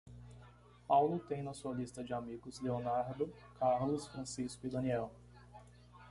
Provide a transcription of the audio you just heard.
Paulo tem na sua lista de amigos: Leonardo, Carlos, Francisco e Daniel.